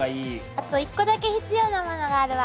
あと一個だけ必要なものがあるわ！